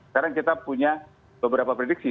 sekarang kita punya beberapa prediksi